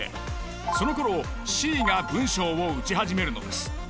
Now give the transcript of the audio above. そのころＣが文章を打ち始めるのです。